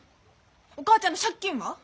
お母ちゃんの借金は？